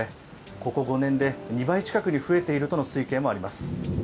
ここ５年で２倍近くに増えているとの推計もあります。